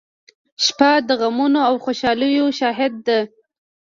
• شپه د غمونو او خوشالیو شاهد ده.